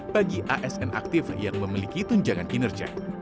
bagi asn aktif yang memiliki tunjangan kinerja